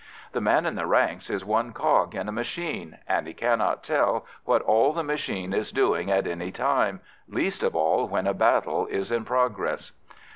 The man in the ranks is one cog in a machine, and he cannot tell what all the machine is doing at any time, least of all when a battle is in progress.